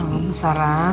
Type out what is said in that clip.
gak mau sarah